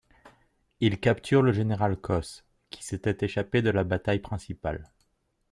Il capture le général Cos, qui s'était échappé de la bataille principale.